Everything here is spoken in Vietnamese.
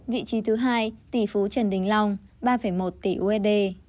vị trí thứ hai tỷ phú trần đình long ba một tỷ usd